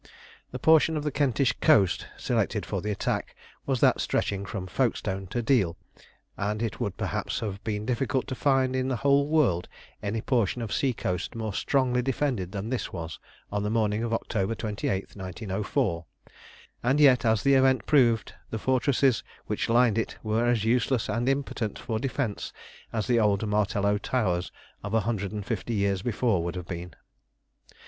The portion of the Kentish coast selected for the attack was that stretching from Folkestone to Deal, and it would perhaps have been difficult to find in the whole world any portion of sea coast more strongly defended than this was on the morning of October 28, 1904; and yet, as the event proved, the fortresses which lined it were as useless and impotent for defence as the old Martello towers of a hundred and fifty years before would have been.